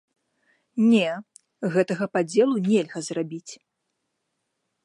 Не, гэтага падзелу нельга зрабіць.